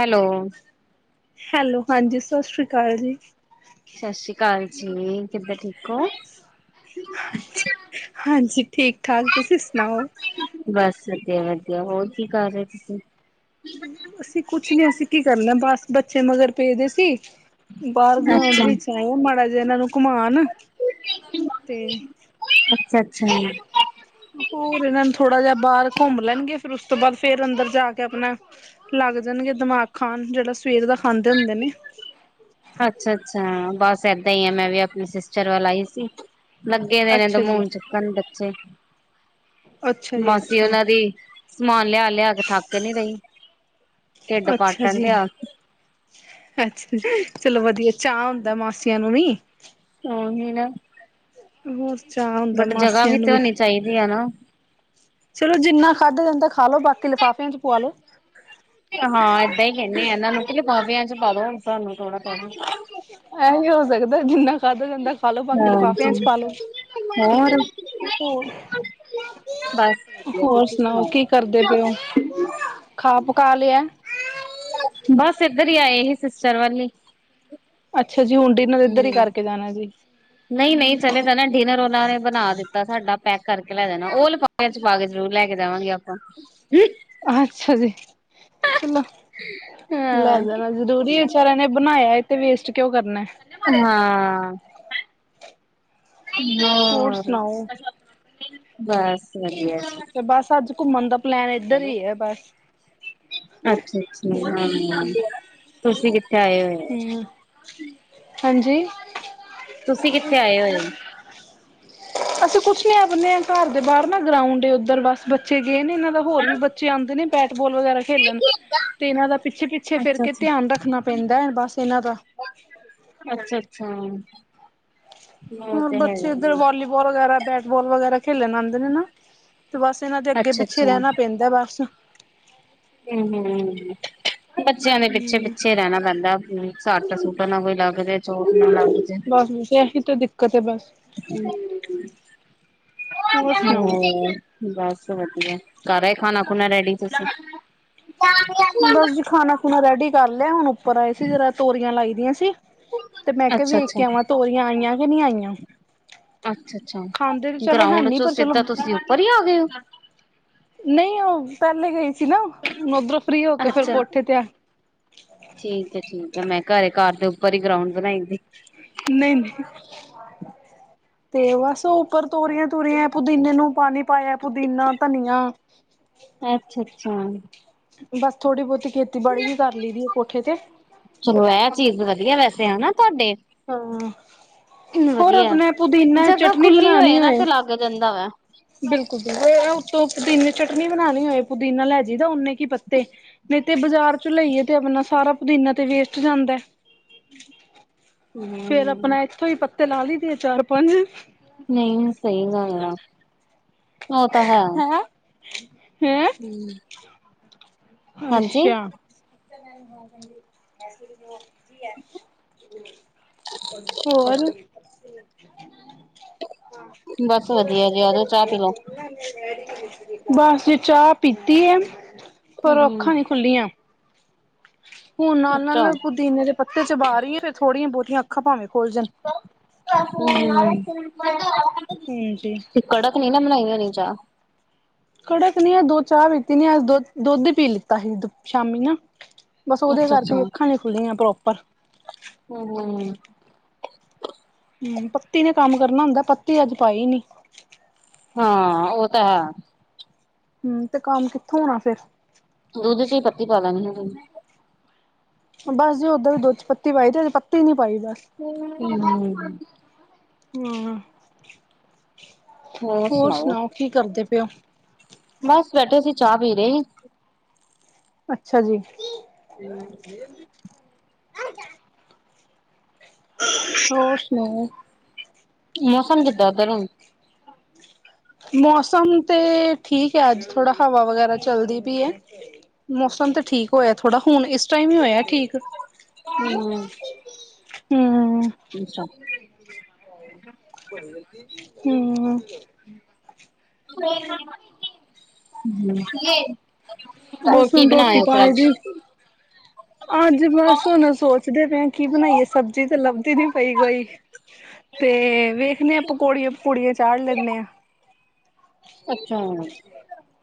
Hello hello ਹਾਂਜੀ ਸਤਿ ਸ੍ਰੀ ਅਕਾਲ ਜੀ। ਸਤਿ ਸ੍ਰੀ ਅਕਾਲ ਜੀ ਕਿੱਦਾਂ ਠੀਕ ਹੋ। ਹਾਂਜੀ-ਹਾਂਜੀ ਠੀਕ ਠਾਕ ਤੁਸੀਂ ਸੁਣਾਓ। ਬਸ ਵਧੀਆ-ਵਧੀਆ ਹੋਰ ਕੀ ਕਰ ਰਹੇ ਤੁਸੀ। ਅਸੀਂ ਕੁਛ ਨੀ ਅਸੀਂ ਕੀ ਕਰਨਾ ਬਸ ਬੱਚੇ ਮਗਰ ਪੇਦੇ ਸੀ। ਬਾਹਰ ਗਰਾਉਂਡ ਅੱਛਾ ਵਿੱਚ ਆਏ ਆ ਮਾੜਾ ਜਿਹਾ ਇਹਨਾਂ ਨੂੰ ਘੁਮਉਣ ਤੇ ਅੱਛਾ-ਅੱਛਾ ਹੋਰ ਇਹਨਾਂ ਨੂੰ ਥੋੜਾ ਜਾ ਬਾਰ ਘੁੰਮ ਲੈਣਗੇ ਫੇਰ ਉਸ ਤੋ ਬਾਦ ਫੇਰ ਅੰਦਰ ਜਾ ਕੇ ਆਪਣਾ ਲੱਗ ਜਾਣਗੇ ਦਿਮਾਗ ਖਾਣ ਜਿਹੜਾ ਸਵੇਰ ਦਾ ਖਾਂਦੇ ਹੁੰਦੇ ਨੇ। ਅੱਛਾ-ਅੱਛਾ ਬਸ ਏਦਾਂ ਹੀ ਆ ਮੈਂ ਵੀ ਆਪਣੇ ਸਿਸਟਰ ਵੱਲ ਆਈ ਸੀ। ਲੱਗੇ ਦੇ ਨੇ ਦ ਅੱਛਾ ਜੀ ਮੂਣ ਚੁੱਕਣ ਬੱਚੇ। ਅੱਛਾ ਜੀ ਮਾਸੀ ਅੱਛਾ ਉਹਨਾਂ ਦੀ ਸਮਾਨ ਲਿਆ ਲਿਆ ਕੇ ਥੱਕ ਨਹੀਂ ਰਹੀ। ਢਿੱਡ ਅੱਛਾ ਪਾਟਣ ਤੇ ਜੀ। ਆ ਅੱਛਾ, ਚਲੋ ਵਧੀਆ ਚਾਅ ਹੁੰਦਾ ਮਾਸੀਆਂ ਨੂੰ ਵੀ। [unintelligible] ਹੋਰ ਚਾਅ ਹੁੰਦਾ ਬਟ ਜਗ੍ਹਾ ਮਾਸੀਆਂ ਨੂੰ ਤੇ ਵੀ। ਹੋਣੀ ਚਾਹੀਦੀ ਹੈ ਨਾ। ਚਲੋ ਜਿੰਨਾ ਖਾਦਾ ਜਾਂਦਾ ਖਾਲ ਲੋ ਬਾਕੀ ਲਿਫਾਫਿਆਂ ਚ ਪਆ ਲੋੋ। ਹਾਂ ਏਦਾਂ ਹੀ ਕਹਿੰਨੇ ਆ ਇਹਨਾਂ ਨੂੰ ਕੀ ਲਿਫਾਫਿਆ ਚ ਪਾਦੋ ਸਾਨੂੰ ਥੋੜਾ ਬਹੁਤਾ। ਐਹੀ ਹੋ ਸਕਦਾ ਜਿੰਨਾ ਖਾਧਾ ਜਾਂਦਾ ਖਾਲੋ ਬਾਕੀ ਲਿਫਾਫਿਆਂ ਚ ਪਾ ਲੋ। ਹੋਰ ਬਸ ਵਧੀਆ ਹੋਰ ਤੁਸੀਂ ਸੁਣਾਓ ਕੀ ਕਰਦੇ ਪਏ ਓ। ਖਾ ਪਕਾ ਲਿਆ। ਬਸ ਏਧਰ ਹੀ ਆਏ ਸੀ ਸਿਸਟਰ ਵਲ ਹੀ। ਅੱਛਾ ਜੀ ਹੁਣ ਡਿਨਰ ਇੱਧਰ ਹੀ ਕਰਕੇ ਜਾਣਾ ਜੀ। ਨਹੀ-ਨਹੀ ਚਲੇ ਜਾਨਾ ਡਿਨਰ ਉਹਨਾ ਨੇ ਬਣਾ ਦਿੱਤਾ ਸਾਡਾ ਪੈਕ ਕਰਕੇ ਲੈ ਜਾਣਾ ਉਹ ਲਿ ਚ ਪਾ ਕੇ ਜ਼ਰੂਰ ਲੈ ਕੇ ਜਾਵਾਂਗੇ ਆਪਾ। ਅੱਛਾ ਜੀ ਚਲੋ ਲੈ ਹਾਂ ਜਾਣਾ ਜ਼ਰੂਰੀ ਵਿਚਾਰਿਆਂ ਨੇ ਬਣਾਇਆ ਇਹ ਤੇ ਵੇਸਟ ਕਿਉਂ ਕਰਨਾ। ਹਾਂ ਹੋਰ ਯਾਰ। ਸੁਣਾਓ ਬਸ ਵਧੀਆ ਜੀ। ਤੇ ਬਸ ਅੱਜ ਘੁੰਮਣ ਦਾ ਪਲੈਨ ਇੱਧਰ ਹੀ ਹੈ ਬਸ। ਅੱਛਾ-ਅੱਛਾ ਹਾਂ ਤੁਸੀ ਕਿ ਹਮ ਹਾਂਜੀ ਤੁਸੀਂ ਕਿੱਥੇ ਆਏ ਹੋਏ ਹੋ। ਅਸੀ ਕੁਛ ਨੀ ਆਪਨੇ ਹ ਘਰ ਦੇ ਬਾਹਰ ਨਾ ਗਰਾਉਂਡ ਏ ਉੱਧਰ ਬਸ ਬੱਚੇ ਗਏ ਨੇ ਇਹਨਾ ਦਾ ਹੋਰ ਵੀ ਬੱਚੇ ਆਉਂਦੇ ਨੇ ਬੈਟ ਬੋਲ ਵਗੈਰਾ ਖੇਲਣ ਤੇ ਇਹਨਾਂ ਦਾ ਪਿੱਛੇ- ਪਿੱਛੇ ਫਿਰ ਕੇ ਅੱਛਾ-ਅੱਛਾ, ਧਿਆਨ ਰੱਖਣਾ ਪੈਂਦਾ ਬਸ ਇਹਨਾਂ ਦਾ। ਅੱਛਾ-ਅੱਛਾ ਇਹ ਤੇ ਹੈਗਾ ਹੀ ਏ। ਫੁਟਬਾਲ ਵਗੈਰਾ, ਬੈਟ ਬਾਲ ਵਗੈਰਾ ਖੇਲੇਣ ਨੂੰ ਆਦੇ ਨੇ ਨਾ। ਤੇ ਬਸ ਇਹਨਾਂ ਦੇ ਅੱਗੇ ਅੱਛਾ-ਅੱਛਾ ਪਿੱਛੇ ਰਹਿਣਾ ਪੈਂਦਾ ਬਸ। ਹੂੰ-ਹੂੰ, ਬੱਚਿਆਂ ਦੇ ਹਮ ਪਿੱਛੇ-ਪਿੱਛੇ ਰਹਿਣਾ ਪੈਂਦਾ। ਸੱਟ-ਸੂਟ ਨਾ ਕੋਈ ਲੱਗ ਜੇ। ਚੋਟ ਨਾ ਲੱਗ ਜੇ। ਬਸ ਬਸ ਇਹੀ ਤਾਂ ਦਿੱਕਤ ਹੈ ਬਸ ਹੋਰ ਹਮ ਸੁਣਾਓ ਬਸ ਵਧੀਆ ਕਰ ਆ ਖਾਣਾ ਖੁਣਾ ਰੈਡੀ ਤੁਸੀ। ਬਸ ਜੀ ਖਾਣਾ-ਖੁਣਾ ਰੈਡੀ ਕਰ ਲਿਆ ਹੁਣ ਉੱਪਰ ਆਏ ਸੀ ਜਦ ਤੋਰੀਆ ਲਾਈ ਦੀਆ ਸੀ। ਤੇ ਮੈਂ ਕਿਹਾ ਵੇਖ ਅੱਛਾ-ਅੱਛਾ, ਕੇ ਆਵਾ ਤੋਰੀਆ ਆਈਆ ਕਿ ਨੀ ਆਈਆ। ਅੱਛਾ-ਅੱਛਾ ਗਰਾਉਂਡ ਹੈਨੀ ਚੋਂ ਪਰ ਸਿੱਧਾ ਚਲੋ ਤੁਸੀਂ ਉੱਪਰ ਹੀ ਆ ਗਏ ਹੋ। ਨਹੀ ਉਹ ਪਹਿਲੇ ਗਈ ਸੀ ਨਾ ਹੁ ਉੱਧਰੋਂ ਫ੍ਰਰੀ ਹੋ ਕੇ ਫੇਰ ਅੱਛਾ ਕੋਠੇ ਤੇ ਆ ਠੀਕ ਹੈ, ਠੀਕ ਆ ਮੈਂ ਘਰੇ ਘਰ ਦੇ ਉੱਪਰ ਹੀ ਗਰਾਉਂਡ ਬਣਾਈ ਦੀ। ਨਹੀਂ-ਨਹੀਂ ਤੇ ਬਸ ਉੱਪਰ ਤੋਰੀਆ ਤੁਰਿਆ ਪੁਦੀਨੇ ਨੂੰ ਪਾਣੀ ਪਾਇਆ ਪੁਦੀਨਾ, ਧਨੀਆ। ਅੱਛਾ-ਅੱਛਾ ਬਸ ਥੋੜ੍ਹੀ ਬਹੁਤੀ ਖੇਤੀਬਾੜੀ ਵੀ ਕਰ ਲਈ ਦੀ ਹੈ ਕੋਠੇ ਤੇ। ਚਲੋ ਇਹ ਚੀਜ਼ ਵਧੀਆ ਵੈਸੇ ਹਨਾ ਤੁਹਾਡੇ। ਹਾਂ ਹੋਰ ਵਧੀਆ ਆਪਣੇ ਪੁਦੀਨਾ ਜਗ੍ਹਾ ਚਟਨੀ ਖੁੱਲੀ ਬਣਾਉਣੀ ਹੋਏ ਨਾ ਤੇ ਲਾਗ ਜਾਂਦਾ ਵਾ। ਬਿਲਕੁਲ ਬਿਲਕੁਲ ਇਹ ਉਥੋਂ ਪੁਦੀਨੇ ਚਟਨੀ ਬਣਾਉਣੀ ਹੋਏ ਪੁਦੀਨਾ ਲੈ ਜਈਦਾ ਓਨੇ ਕੀ ਪੱਤੇ। ਨਹੀਂ ਤੇ ਬਾਜ਼ਾਰ ਚ ਲਈਏ ਤੇ ਆਪਣਾ ਸਾਰਾ ਪੁਦੀਨਾ ਤੇ ਵੇਸਟ ਜਾਂਦਾ। ਹਮ। ਫੇਰ ਆਪਣਾ ਇੱਥੋਂ ਹੀ ਪੱਤੇ ਲਾ ਲਈਦੇ ਆ ਚਾਰ ਪੰਜ। ਨਹੀਂ ਸਹੀ ਗੱਲ ਆ। ਉਹ ਤਾਂ ਹੈ ਹਮ। ਹੈਂ ਹੈਂ ਅੱਛਾ। ਹੋਰ। ਬਸ ਵਧੀਆ ਜੀ ਆਜੋ ਚਾਹ ਪੀ ਲਓ ਹਾਂ ਬ ਬਸ ਜੇ ਚਾਹ ਪੀਤੀ ਆ। ਪਰ ਹੂੰ, ਅੱਖਾਂ ਨੀ ਖੁੱਲੀਆਂ ਹੁਣ ਨਾਲ ਅੱਛਾ। ਨਾਲ ਪੁਦੀਨੇ ਦੇ। ਪੱਤੇ ਚਬਾਰੀ ਫਿਰ ਥੋੜ੍ਹੀਆਂ ਬਹੁਤੀਆਂ ਅੱਖਾਂ ਭਾਵੇਂ ਖੋਲ ਜਾਣ। ਹ ਹਾਂਜੀ। [unintelligible] ਕੜਕ ਨੀ ਨਾ ਬਣਾਈ ਹੋਣੀ ਚਾ। ਕੜਕ ਨ ਆ ਦੋ ਚਾਹ ਪੀਤੀ ਨ ਅ ਦੁੱਧ ਦੁੱਧ ਹੀ ਪੀ ਲਿੱਤਾ ਸੀ ਸ਼ਾਮੀ ਨਾ। ਬਸ ਉਹਦੇ ਅੱਛਾ ਕਰਕੇ ਅੱਛਾ। ਅੱਖਾਂ ਨਹੀ ਖੁੱਲ੍ਹੀਆਂ ਪ੍ਰੋਪਰ। ਹਮ ਹਮ। ਹਮ ਪੱਤੀ ਨੇ ਕੰਮ ਕਰਨਾ ਹੁੰਦਾ ਪੱਤੀ ਅੱਜ ਪਾਈ ਨੀ। ਹਾਂ ਉਹ ਤਾਂ ਹੈ। ਹਮ ਤੇ ਕੰਮ ਕਿੱਥੋਂ ਹੋਣਾ ਫੇਰ। ਦੁੱਧ ਚ ਹੀ ਪੱਤੀ ਪਾ ਲੈਣੀ ਹ। ਬਸ ਜੇ ਓਦਾਂ ਵੀ ਦੁੱਧ ਚ ਪੱਤੀ ਪਾਈ ਤੇ ਪੱਤੀ ਈ ਨੀ ਪਾਈ ਬਸ। ਹੂੰ ਹੂੰ। ਹੁੰਆ ਹੋਰ ਸੁਣਾਓ ਕੀ ਕਰਦੇ ਪਏ ਓ। ਬਸ ਬੈਠੇ ਸੀਂ ਚਾਹ ਪੀ ਰਹੇ ਹੀ। ਅੱਛਾ ਜੀ। ਹੋਰ ਸੁਣਾਓ। ਮੌਸਮ ਕਿੱਦਾਂ ਉਧਰ ਹ। ਮੌਸਮ ਤੇ ਠੀਕ ਹੈ ਅੱਜ ਥੋੜਾ ਹਵਾ ਵਗੈਰਾ ਚੱਲਦੀ ਪਈ ਹੈ। ਮੌਸਮ ਤੇ ਠੀਕ ਹੋਇਆ ਥੋੜਾ ਹੁਣ ਇਸ ਟਾਈਮ ਹੀ ਹੋਇਆ ਠੀਕ। ਹਮ। ਹਮ। ਅੱਛਾ। ਹਮ। [unintelligible] ਹੋਰ ਬਸ ਕੀ ਹੁਣ ਬਣਾ ਏ ਰੋਟੀ ਔ ਫੇਰ ਪਾਣੀ ਅੱਜ। ਦੀ ਅੱਜ ਬਸ ਹੋਣ ਸੋਚ ਚਦੇ ਪਏ ਆ ਕੀ ਬਣਾਈਏ ਸਬਜ਼ੀ ਤੇ ਲੱਭਦੀ ਨੀ ਪਈ ਕੋਈ। ਤੇ ਵੇਖਣੇ ਆਂ ਪਕੌੜੀਆਂ ਪਕੂੜੀਆਂ ਚਾੜ੍ਹ ਲੈਂਣੇ ਆਂ। ਅੱਛਾ।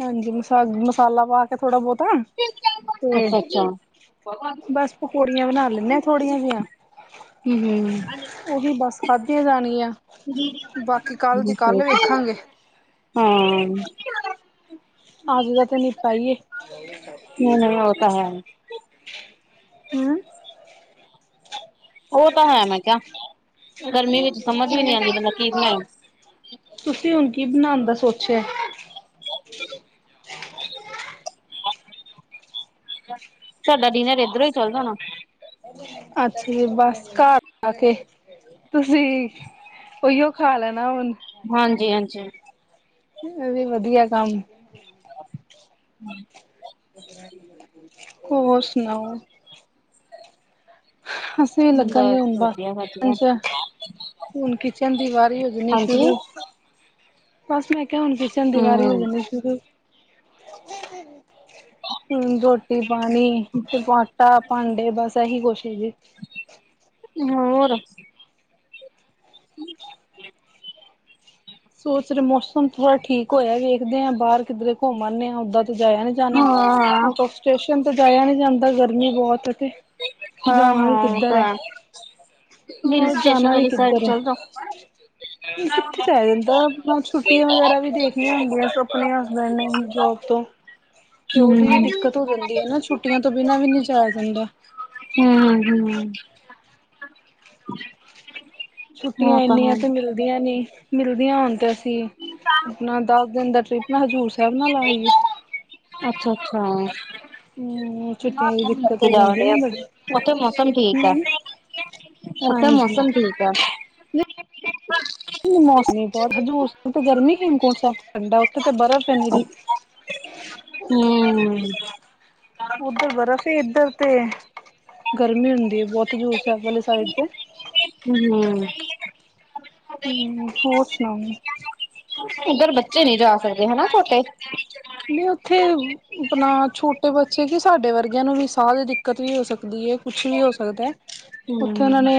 ਹਾਂਜੀ ਮਸਾਗ ਮਸਾਲਾ ਪਾ ਕੇ ਥੋੜਾ ਬੌਤਾ। ਤੇ ਅੱਛਾ-ਅੱਛਾ। ਬਸ ਪਕੌੜੀਆਂ ਬਣਾ ਲੈਂਣੇ ਆਂ ਥੋੜੀਆਂ ਜੀਆਂ। ਹਾਂ, ਓਹੀ ਬੱਸ ਖਾਦੀਆ ਜਾਣ ਗੀਆ। ਬਾਕੀ ਕੱਲ ਦੀ ਕੱਲ ਵੇਖਾਂਗੇ। ਹਾਂ। ਅੱਜ ਦਾ ਤੇ ਨਿਪਟਾਈਏ। ਨਹੀਂ ਪ ਨਇ ਨਇ ਔ ਤਾਂ ਹੈ। ਹੂੰ। ਔ ਤਾਂ ਹੈ ਮੈਂ ਕਿਆ ਗਰਮੀ ਵਿੱਚ ਸਮਝ ਵੀ ਨੀ ਹੋਰ ਆੰਦੀ ਬੰਦਾ ਕੀ ਬਣਾਏ। ਤੁਸੀਂ ਹੁਣ ਕੀ ਬਣਾਣ ਦਾ ਸੋਚਿਐ? ਸਾਡਾ ਡਿਨਰ ਏਧਰੋਂ ਹੀ ਚੱਲ ਜਾਣਾ। ਅੱਛਾ ਜੀ ਬਸ ਘਰ ਆ ਕੇ। ਤੁਸੀਂ ਓਈਓ ਖਾ ਲੈਣਾ ਹੁਣ। ਹਾਂਜੀ ਹਾਂਜੀ। ਏਹ ਵੀ ਵਧੀਆ ਕੰਮ। ਹੂੰ। ਔਰ ਸੁਣਾਓ? ਅਸੀਂ ਲੱਗਾਂਗੇ ਬਸ ਹੁਣ ਬਾ ਵਧੀਆ-ਵਧੀਆ। ਚ। ਹੁਣ ਕਿਚਨ ਦੀ ਵਾਰੀ ਹੋ ਜਾਣੀ ਹਾਂਜੀ। ਸ਼ੁਰੂ। ਬਸ ਮੈਂ ਕਿਆ ਹੁਣ ਕਿਚਨ ਦੀ ਵਾਰੀ ਹੋ ਹੂੰ, ਜਾਂਣੀ ਸ਼ੁਰੂ। ਹੂੰ ਰੋਟੀ ਪਾਣੀ ਤੇ ਆਟਾ ਭਾਂਡੇ ਬਸ ਐਹੀ ਕੋਛ ਹੀ ਜੇ। ਹੋਰ। ਸੋਚ ਰੇ ਮੌਸਮ ਥੋੜਾ ਠੀਕ ਹੋਯੈ ਵੇਖਦੇ ਆਂ ਬਾਰ ਕਿੱਧਰੇ ਘੋਮ ਆਨੇਂ ਆਂ ਔਦਾਂ। ਜਾਯਾ ਨੀ ਜਾਣਾ ਹਾਂ-ਹਾਂ, ਆਊਟ ਔਫ ਸਟੇਸ਼ਨ ਤੇ ਜਾਯਾ ਨੀ ਜਾਂਦਾ ਗਰਮੀ ਬੌਤ ਏਤੇ। ਹਾਂ ਹਾਂ ਓਹ ਤਾਂ ਹੈ ਹਿਲ ਹਾਂ ਸਟੇਸ਼ਨ ਜਾਣਾ ਵੀ ਵਾਲੀ ਸਾਈਡ ਕਿੱਧਰ ਹੈ ਚੱਲਜੋ। [unintelligible] ਤ ਮੂ ਛੁੱਟੀਆਂ ਵਗੈਰਾ ਵੀ ਦੇਖਣੀਆਂ ਹੁੰਦੀਐਂ ਅਪਣੇ ਹਸਬੈਂਡ ਨੇਂ ਜੋਬ ਤੋਂ। ਤੇ ਓਦੀ ਵੀ ਹੂੰ-ਹੂੰ-ਹੂੰ, ਦਿੱਕਤ ਹੋ ਜਾਂਦੀ ਏ ਨਾ ਛੁੱਟੀਆਂ ਤੋਂ ਬਿਨਾ ਵੀ ਨੀ ਜਾਯਾ ਜਾਂਦਾ। [inaudible] ਹਾਂ ਹਾਂ। ਛੁੱਟੀਆਂ ਇੰਨੀਆਂ ਤੇ ਮਿਲਦੀਆਂ ਨੀ ਮਿਲਦੀਆਂ ਹੋਣ ਤੇ ਅਸੀਂ ਆਪਣਾ ਦਸ ਦਿਨ ਦਾ ਟ੍ਰਿਪ ਨਾ ਹਜ਼ੂਰ ਸਾਹਿਬ ਨਾ ਲਾ ਆਈਏ। ਅੱਛਾ-ਅੱਛਾ। ਹਮ ਛੁੱਟੀਆਂ ਦੀ ਦਿੱਕਤ ਹੋ ਜਾ ਜਾਂਦੀ ਆਉਣੇ ਨਾ ਆ ਬੜੀ ਉੱਥੇ ਮੌਸਮ ਠੀਕ ਆ। ਹਮ ਹੁਣ ਤੇ ਹਾਂਜੀ ਮੌਸਮ ਠੀਕ ਐ। [inaudible] ਮੌਸਮੀ ਬਹੁਤ ਹਜੂਰ ਸਾਹਿਬ ਤੇ ਗਰਮੀ ਹੇਮਕੁੰਟ ਸਾਹਿਬ ਠੰਡਾ ਉੱਥੇ ਤਾਂ ਬਰਫ਼ ਹੇ ਨੀਰੀ। ਹੂੰ। ਔਧਰ ਬਰਫ਼ ਏ ਐਧਰ ਤੇ ਗਰਮੀ ਹੁੰਦੀ ਏ ਬੌਤ ਹਜੂਰ ਸਾਹਿਬ ਵਾਲੀ। ਸਾਈਡ ਤੇ ਹੂੰ। ਹੂੰ ਹੋਰ ਸੁਣਾਊ? ਉੱਧਰ ਬੱਚੇ ਨੀ ਜਾ ਸਕਦੇ ਹਨਾ ਛੋਟੇ। ਨੀ ਉੱਥੇ ਅਪਣਾ ਛੋਟੇ ਬੱਚੇ ਕਿ ਸਾਡੇ ਵਰਗਿਆਂ ਨੂੰ ਵੀ ਸਾਹ ਦੀ ਦਿੱਕਤ ਵੀ ਹੋ ਸਕਦੀ ਏ। ਕੁਛ ਵੀ ਹੋ ਸਕਦਾ ਉੱਥੇ ਹੂੰ, ਓਨਾਂ ਨੇ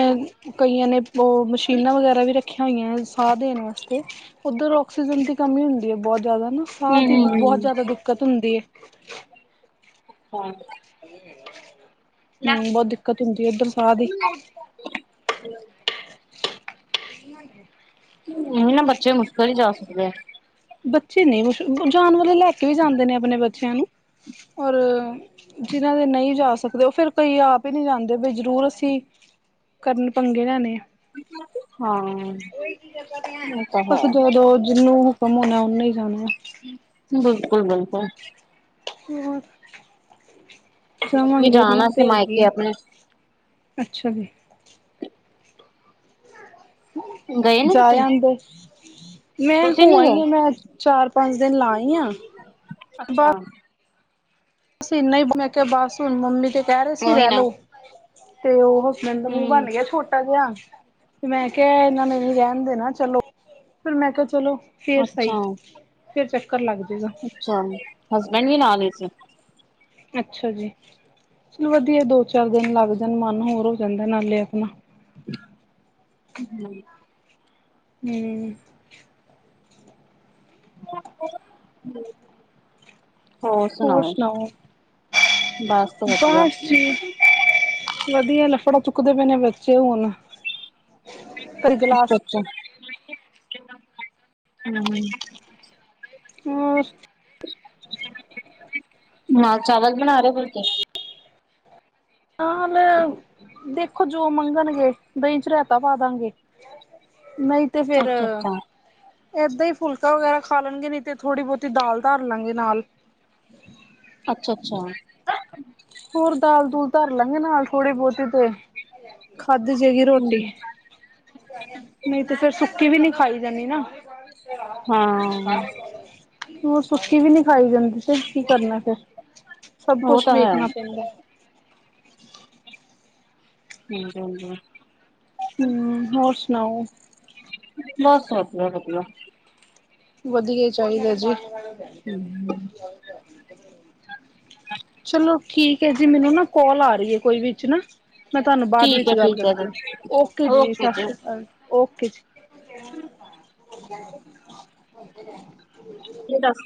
ਕਈਆਂ ਨੇ ਓਹ ਮਸ਼ੀਨਾਂ ਵਗੈਰਾ ਵੀ ਰੱ ਰੱਖੀਆਂ ਹੋਈਐ ਸਾਹ ਦੇਣ ਵਸਤੇ। ਔਧਰ ਆਕਸੀਜਨ ਦੀ ਕਮੀ ਹੁੰਦੀ ਏ ਬੌਤ ਜੈਦਾ ਨਾ ਸਾਹ ਦੀ ਹੂੰ, ਬਹੁਤ ਜ਼ਿਆਦਾ ਦਿੱਕਤ ਹੁੰਦੀ ਏ। ਹਾਂ ਹੁੰ ਬਹੁਤ ਦਿੱਕਤ ਹੁੰਦੀ ਉੱਪਰ ਸਾਹ ਦੀ। ਹੋਈ ਹੈ ਨਹੀਂ ਨਾ ਬੱਚੇ ਮੁਸ਼ਕਿਲ ਹੀ ਜਾ ਸਕਦੇ ਆ। ਬੱਚੇ ਨਹੀਂ ਮੁਸ਼ ਜਾਣ ਵਾਲੇ ਲੈ ਕੇ ਵੀ ਜਾਂਦੇ ਨੇ ਆਪਣੇ ਬੱਚਿਆਂ ਨੂੰ ਔਰ ਜਿਹਨਾਂ ਦੇ ਨਹੀਂ ਜਾ ਸਕਦੇ ਉਹ ਫੇਰ ਕਈ ਆਪ ਹੀ ਨਹੀ ਜਾਂਦੇ ਬ ਜਰੂਰ ਅਸੀਂ ਕਰਨ ਪੰਗੇ ਲੈਣੇ ਆ। ਹਾਂ, ਉਹ ਤਾਂ ਬਸ ਹੈ ਜੋ-ਜੋ ਜਿਹਨੂੰ। ਘੁਮ ਹੋਣਾ ਉਹਨੇ ਹੀ ਜਾਣਾ। ਬਿਲਕੁਲ ਬਿਲਕੁਲ। ਹੋਰ। ਤੁਸੀ ਜਾਵਾਂਗੇ ਰੀਸ ਜਾਣਾ ਸੀ ਤੇ ਹੈਗੀ ਮਾਇਕੇ ਏ ਆਪਣੇ ਅੱਛਾ ਜੀ। ਗਏ ਨੀ ਜਾ ਤੁਸੀਂ ਆਦੇ ਮੈਂ ਤੁਸੀਂ ਹੋ ਨੀ ਆਈ ਆ ਗਏ? ਮੈਂ ਚਾਰ ਪੰਜ ਦਿਨ ਲਾਈ ਆ। ਅੱਛਾ। ਬਸ ਇਨਾ ਹੀ ਮੈਂ ਕਿਹਾ ਬਸ ਹੁਣ ਮੰਮੀ ਤੇ ਕਹਿ ਰਹੇ ਸੀ ਉਹੀ ਰਹਿ ਨਾ ਲੋੋ ਤੇ ਉਹ। ਮੂੰਹ ਹੂੰ ਬਣ ਗਿਆ ਛੋਟਾ ਜਿਹਾ ਤੇ ਮੈਂ ਕਿਹਾ ਇਹਨਾਂ ਨੇ ਵੀ ਰਹਿਣ ਦੇਣਾ ਚਲੋ ਫਿਰ ਮੈਂ ਕਿਹਾ ਚਲੋ। ਅੱਛਾ। ਫਿਰ ਚੱਕਰ ਲੱਗ ਜਏਗਾ। ਅੱਛਾ ਹਸਬੈਂਡ ਵੀ ਨਾਲ ਹੀ ਸੀ। ਅੱਛਾ ਜੀ ਚਲੋ ਵਧੀਆ ਦੋ ਚਾਰ ਦਿਨ ਲੱਗ ਜਾਣ ਮਨ ਹੋਰ ਹੋ ਜਾਂਦਾ ਨਾਲੇ ਆਪਣਾ। [inaudible] ਹਮ। [inaudible] ਹੋਰ ਸੁਣਾਓ ਬਸ ਵਧੀਆ ਬਸ। ਵਧੀਆ ਲਫੜਾ ਚੁੱਕਦੇ ਪਏ ਨੇ ਬੱਚੇ ਹੁਣ। ਕਦੀ ਗਲਾਸ ਅੱਛਾ ਹ। ਹੋਰ। ਨਾਲ ਚਾਵਲ ਬਣਾ ਰਹੇ ਫੁਲਕੇ। ਨਾਲ ਦੇਖੋ ਜੋ ਮੰਗਣਗੇ ਦਹੀਂ ਚ ਰੇਤਾ ਪਾ ਦਾਂਗੇ। ਨਹੀਂ ਤੇ ਫੇਰ ਅੱਛਾ-ਅੱਛਾ ਏਦਾਂ ਹੀ ਫੁਲਕਾ ਵਗੈਰਾ ਖਾ ਲੈਣਗੇ ਨਹੀ ਤੇ ਥੋੜ੍ਹੀ ਬਹੁਤੀ ਦਾਲ ਧਾਰ ਲਾਂਗੇ ਨਾਲ। ਅੱਛਾ ਅੱਛਾ। ਹੋਰ ਦਾਲ ਦੂਲ ਧਰ ਲਾਂਗੇ ਨਾਲ ਥੋੜੀ ਬਹੁਤੀ ਤੇ। ਖਾਧੀ ਜੇਗੀ ਰੋਟੀ। ਨਹੀਂ ਤੇ ਫੇਰ ਸੁੱਕੀ ਵੀ ਨਹੀਂ ਖਾਈ ਜਾਂਦੀ ਨਾ। ਹਾਂ ਹੋਰ ਸੁੱਕੀ ਵੀ ਨੀ ਖਾਈ ਜਾਂਦੀ ਤੇ ਕੀ ਕਰਨਾ ਫਿਰ ਸਭ ਉਹ ਕੁਛ ਤਾਂ ਹੈ ਵੇਖਣਾ ਪੈਂਦਾ। ਹਾਂਜੀ ਹਾਂਜੀ। ਹਮ ਹੋਰ ਸੁਣਾਓ। ਬੱਸ ਵਦੀਆ ਵਦੀਆ। ਵਧੀਆ ਹੀ ਚਾਹੀਦਾ ਜੀ। [inaudible] ਚਲੋ ਠੀਕ ਹੈ ਜੀ ਮੈਨੂੰ ਨਾ ਕੋਲ ਆ ਰਹੀ ਹੈ ਕੋਈ ਵਿੱਚ ਨਾ। ਮੈਂ ਤੁਹਾਨੂੰ ਬਾਅਦ ਠੀਕ ਵਿੱਚ ਹੈ ਗੱਲ ਠੀਕ ਹੈ ਕਰਦੀ ਹ ਜੀ ਓਕੇ ਜੀ ਸਤਿ ਸ੍ਰੀ ਅਕਾਲ। ਓਕੇ ਜੀ। ਜ ਦਸ